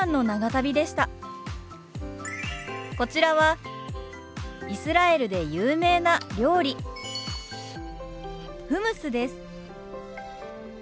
こちらはイスラエルで有名な料理フムスです。